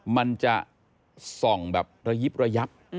มันจะส่องแบบระยิบระยับ